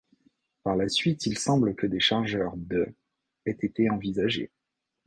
Par la suite il semble que des chargeurs de aient été envisagés.